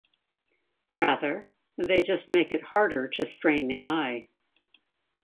Rather, they just make it harder to strain the eye.